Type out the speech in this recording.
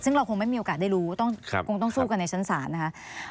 ซึ่งเราคงไม่มีโอกาสได้รู้คงต้องสู้กันในชั้นศาลนะคะ